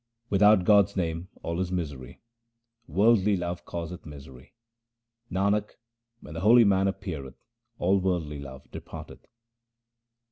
Without God's name all is misery ; worldly love causeth misery. Nanak, when the holy man appeareth all worldly love depart eth.